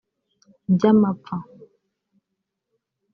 by’amapfa